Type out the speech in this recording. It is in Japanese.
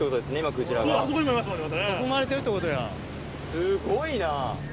すごいな。